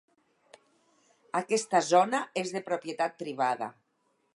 Aquesta zona és de propietat privada.